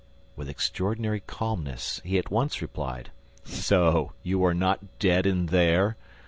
With extraordinary calmness, he at once replied: "So you are not dead in there?